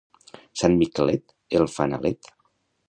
Sant Miquelet, el fanalet.